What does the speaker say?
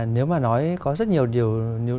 nếu mà nói có rất nhiều điều